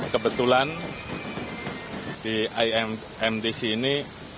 kebetulan di imtc ini